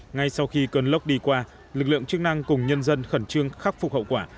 ngay sau khi cơn lốc đi qua lực lượng chức năng cùng nhân dân khẩn trương khắc phục hậu quả